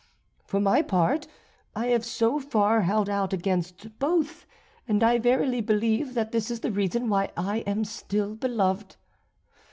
For my part, I have so far held out against both, and I verily believe that this is the reason why I am still beloved.